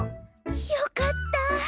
よかった。